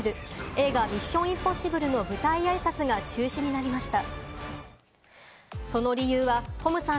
映画『ミッション：インポッシブル』の舞台あいさつが中止になりました。